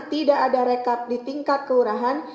tidak ada rekap di tingkat kelurahan